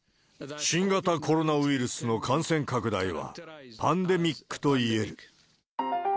新型コロナウイルスの感染拡大はパンデミックといえる。